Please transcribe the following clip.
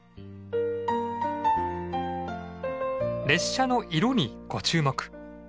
列車の色にご注目！